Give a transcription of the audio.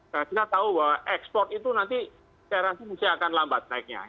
karena kita tahu bahwa export itu nanti saya rasa akan lambat naiknya